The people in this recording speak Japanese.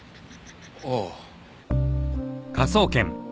ああ。